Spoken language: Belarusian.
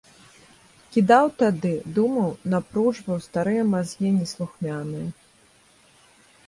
Кідаў тады, думаў, напружваў старыя мазгі неслухмяныя.